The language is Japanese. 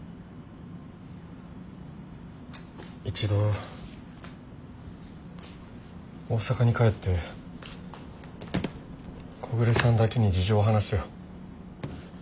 一度大阪に帰って木暮さんだけに事情を話すよ。